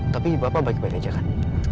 tapi bapak baik baik aja kan